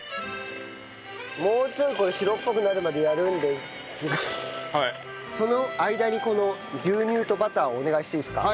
もうちょいこれ白っぽくなるまでやるんですがその間にこの牛乳とバターをお願いしていいですか？